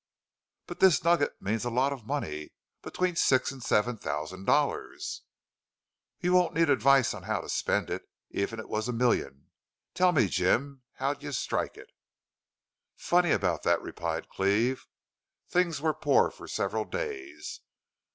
"But this nugget means a lot of money. Between six and seven thousand dollars." "You won't need advice how to spend it, even if it was a million.... Tell me, Jim, how'd you strike it?" "Funny about that," replied Cleve. "Things were poor for several days.